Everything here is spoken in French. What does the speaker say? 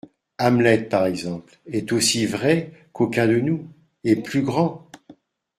Hamlet, par exemple, est aussi vrai qu’aucun de nous, et plus grand.